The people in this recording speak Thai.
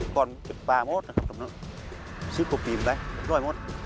ก่อนเก็บป่าหมดนะครับทุกชิ้นปลูกปีนไปร่อยหมด